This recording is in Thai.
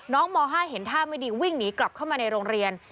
ม๕เห็นท่าไม่ดีวิ่งหนีกลับเข้ามาในโรงเรียน